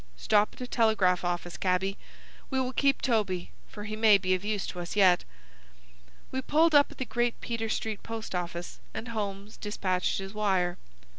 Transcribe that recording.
Stop at a telegraph office, cabby! We will keep Toby, for he may be of use to us yet." We pulled up at the Great Peter Street post office, and Holmes despatched his wire.